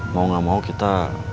mau gak mau kita